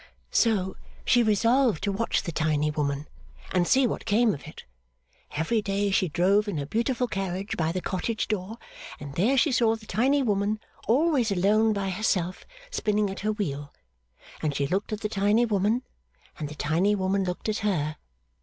'So she resolved to watch the tiny woman, and see what came of it. Every day she drove in her beautiful carriage by the cottage door, and there she saw the tiny woman always alone by herself spinning at her wheel, and she looked at the tiny woman, and the tiny woman looked at her.